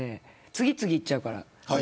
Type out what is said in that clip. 次々いっちゃうから。